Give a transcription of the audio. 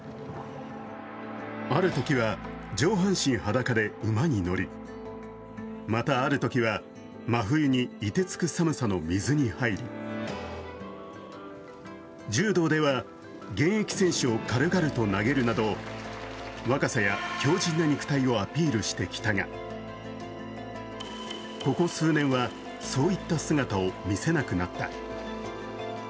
あるときは上半身裸で馬に乗りまたあるときは、真冬にいてつく寒さの水に入り柔道では現役選手を軽々と投げるなど、若さや強じんな肉体をアピールしてきたが、ここ数年はそういった姿を見せなくなった。